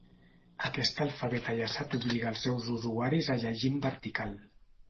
Aquest alfabet ajaçat obliga els seus usuaris a llegir en vertical.